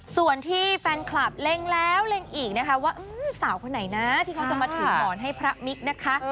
ส่วนที่แฟนคลับเล็งแล้วเล็งอีกนะคะว่าสาวคนไหนนะที่เขาจะมาถือหมอนให้พระมิกนะคะ